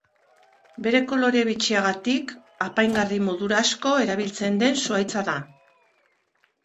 Bere kolore bitxiagatik, apaingarri modura asko erabiltzen den zuhaitza da.